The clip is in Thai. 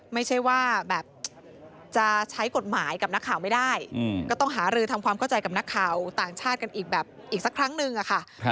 ไม่ใช่ว่าแบบจะใช้กฎหมายกับนักข่าวไม่ได้ก็ต้องหารือทำความเข้าใจกับนักข่าวต่างชาติกันอีกแบบอีกสักครั้งนึงอะค่ะ